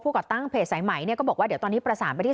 ก่อตั้งเพจสายไหมเนี่ยก็บอกว่าเดี๋ยวตอนนี้ประสานไปที่